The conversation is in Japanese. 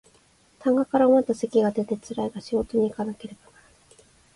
痰が絡まった咳が出てつらいが仕事にいかなければならない